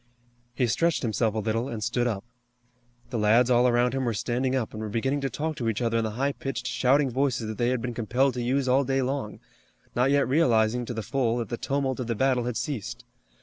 He stretched himself a little and stood up. The lads all around him were standing up, and were beginning to talk to each other in the high pitched, shouting voices that they had been compelled to use all day long, not yet realizing to the full that the tumult of the battle had ceased.